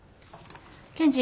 検事。